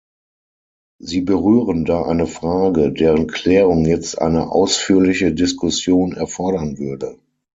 Sie berühren da eine Frage, deren Klärung jetzt eine ausführliche Diskussion erfordern würde.